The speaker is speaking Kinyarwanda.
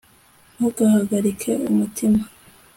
ntugahagarike umutima